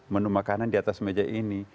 menu makanan di atas meja ini